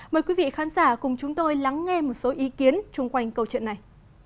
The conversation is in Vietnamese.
mời quý vị khán giả cùng chúng tôi lắng nghe một số ý kiến chung quanh câu chuyện này